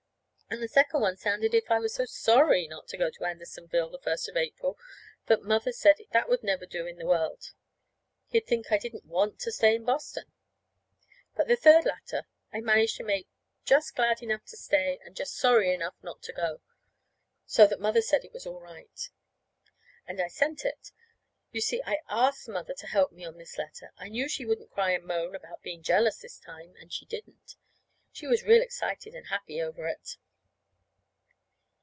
And the second one sounded as if I was so sorry not to go to Andersonville the first of April that Mother said that would never do in the world. He'd think I didn't want to stay in Boston. But the third letter I managed to make just glad enough to stay, and just sorry enough not to go. So that Mother said it was all right. And I sent it. You see I asked Mother to help me about this letter. I knew she wouldn't cry and moan about being jealous this time. And she didn't. She was real excited and happy over it.